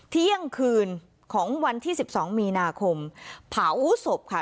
เที่ยงคืนของวันที่สิบสองมีนาคมเผาศพค่ะ